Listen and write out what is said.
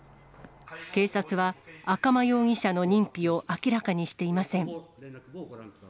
警察は、赤間容疑者の認否を明らかにしていません。